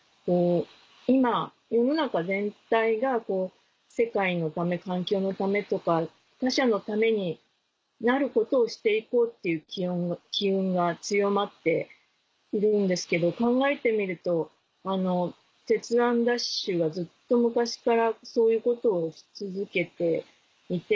今世の中全体が世界のため環境のためとか他者のためになることをして行こうっていう機運が強まっているんですけど考えてみると『鉄腕！ＤＡＳＨ‼』はずっと昔からそういうことをし続けていて。